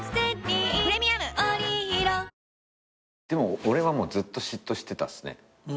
でも俺はもうずっと嫉妬してたっすね